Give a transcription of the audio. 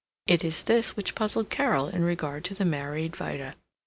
It was this which puzzled Carol in regard to the married Vida.